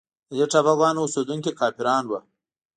د دې ټاپوګانو اوسېدونکي کافران وه.